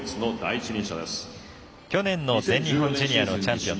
去年の全日本ジュニアのチャンピオン。